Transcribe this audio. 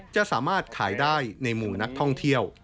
จะสามารถขายได้ในหมู่นักท่องเที่ยว